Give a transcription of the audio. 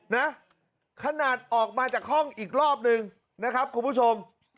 นะขนาดออกมาจากห้องอีกรอบนึงนะครับคุณผู้ชม